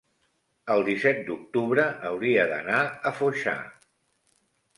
el disset d'octubre hauria d'anar a Foixà.